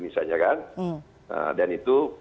misalnya kan dan itu